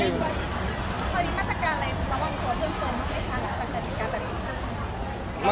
สถานการณ์อะไร